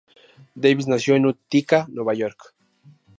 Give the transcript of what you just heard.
Davies nació en Utica, Nueva York.